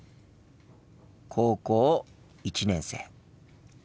高校１年生。